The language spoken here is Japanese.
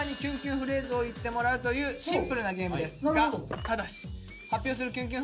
フレーズを言ってもらうというシンプルなゲームですがただし発表するキュンキュン